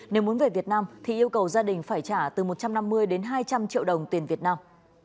nếu muốn về việt nam thì yêu cầu gia đình phải trả từ một trăm năm mươi đến hai trăm linh triệu đồng tiền việt nam